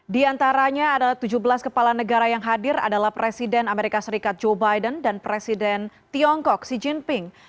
di antaranya adalah tujuh belas kepala negara yang hadir adalah presiden amerika serikat joe biden dan presiden tiongkok xi jinping